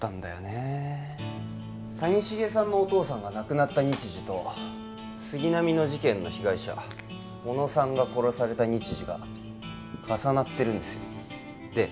え谷繁さんのお父さんが亡くなった日時と杉並の事件の被害者小野さんが殺された日時が重なってるんですよで